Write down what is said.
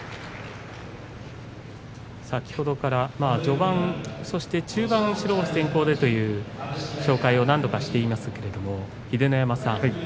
先ほどから序盤中盤白星先行でという話を何度かしていますけれども秀ノ山さん